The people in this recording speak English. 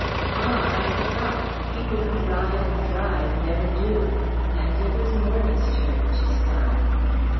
"Ah, I forgot! People who ride and drive never do." And it was Morna's turn to sigh.